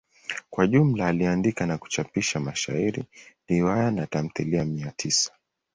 Kwa jumla aliandika na kuchapisha mashairi, riwaya na tamthilia mia tisa.